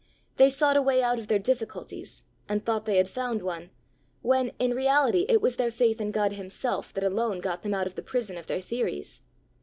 They sought a way out of their difficulties, and thought they had found one, when in reality it was their faith in God himself that alone got them out of the prison of their theories.